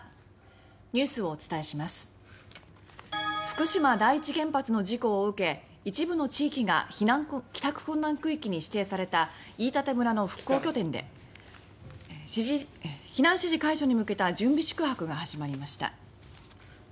福島第一原発の事故を受け一部の地域が帰還困難区域に指定された飯舘村の復興拠点で避難指示解除に向けた準備宿泊が始まりました。